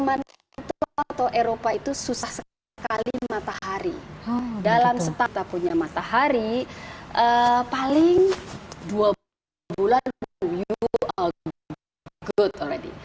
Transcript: manfaat atau eropa itu susah sekali matahari dalam sepatah punya matahari paling dua bulan